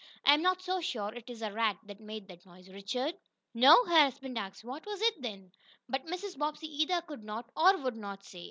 "I'm not so sure it is a rat that made that noise, Richard." "No?" her husband asked. "What was it, then?" But Mrs. Bobbsey either could not, or would not, say.